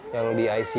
yang di icu